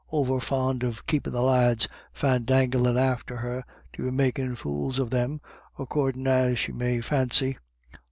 Over fond of keepin' the lads fandanglin' after her, to be makin' fools of them, accordin' as she may fancy.